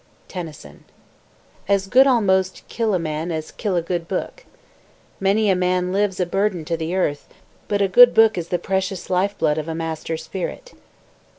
TENNYSON As good almost kill a man as kill a good book. Many a man lives a burden to the earth, but a good book is the precious life blood of a master spirit.